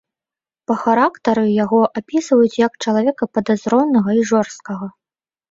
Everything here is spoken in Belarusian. Па характары яго апісваюць як чалавека падазронага і жорсткага.